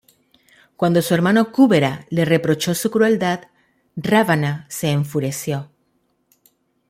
Cuando su hermano Kúbera le reprochó su crueldad, Rávana se enfureció.